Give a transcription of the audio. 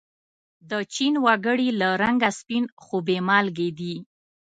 د چین و گړي له رنگه سپین خو بې مالگې دي.